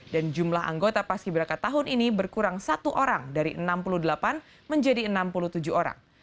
dan jumlah anggota paski beraka tahun ini berkurang satu orang dari enam puluh delapan menjadi enam puluh tujuh orang